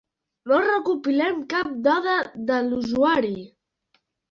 No recopilem cap dada de l'usuari.